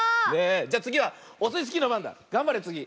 じゃつぎはオスイスキーのばんだ。がんばれつぎ。